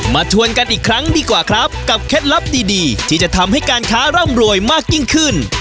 ชวนกันอีกครั้งดีกว่าครับกับเคล็ดลับดีดีที่จะทำให้การค้าร่ำรวยมากยิ่งขึ้น